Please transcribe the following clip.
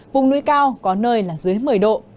vùng núi cao có nơi là dưới một mươi độ